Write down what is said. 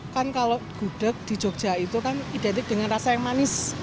kan kalau gudeg di jogja itu kan identik dengan rasa yang manis